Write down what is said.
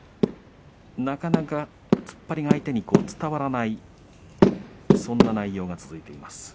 なかなか突っ張りが相手に伝わらないそんな内容が続いています。